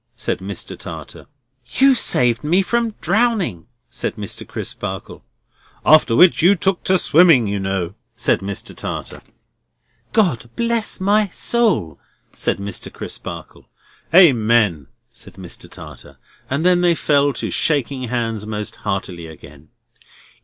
said Mr. Tartar. "You saved me from drowning!" said Mr. Crisparkle. "After which you took to swimming, you know!" said Mr. Tartar. "God bless my soul!" said Mr. Crisparkle. "Amen!" said Mr. Tartar. And then they fell to shaking hands most heartily again.